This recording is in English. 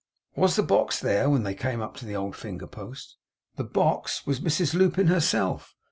Was the box there, when they came up to the old finger post? The box! Was Mrs Lupin herself?